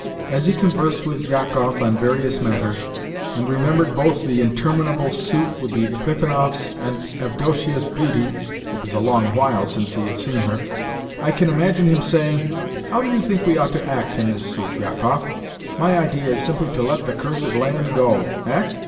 As he conversed with Jakoff on various matters, and remembered both the interminable suit with the Epifanovs and Avdotia's beauty (it was a long while since he had seen her), I can imagine him saying: "How do you think we ought to act in this suit, Jakoff? My idea is simply to let the cursed land go. Eh?